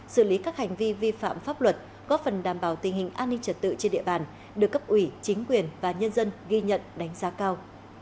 xử lý các hành vi vi phạm pháp luật góp phần đảm bảo tình hình an ninh trật tự trên địa bàn được cấp ủy chính quyền và nhân dân ghi nhận đánh giá cao